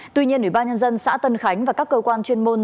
tuy nhiên ủy ban nhân dân xã tân khánh và các cơ quan chuyên môn